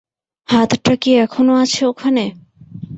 হাতটা কি এখনো আছে ওখানে?